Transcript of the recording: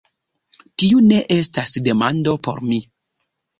Tiu ne estas demando por mi.